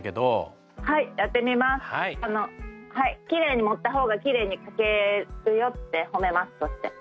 きれいに持った方がきれいに書けるよって褒めます。